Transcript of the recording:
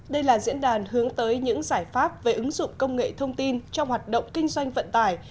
đây là diễn đàn hướng tới những giải pháp về ứng dụng công nghệ thông tin trong hoạt động kinh doanh vận tải